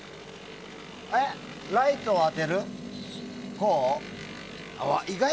ライトを当てる？